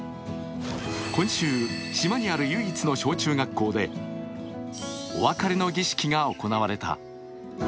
今週、島にある唯一の小中学校でお別れの儀式が行われた。